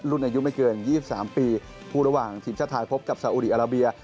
อายุไม่เกิน๒๓ปีผู้ระหว่างทีมชาติไทยพบกับสาอุดีอาราเบีย